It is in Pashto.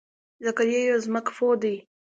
ذکریا یو ځمکپوه دی.